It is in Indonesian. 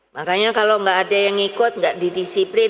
makanya kalau nggak ada yang ikut nggak didisiplin